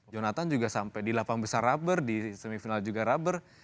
jonathan juga sampai di lapang besar rubber di semifinal juga rubber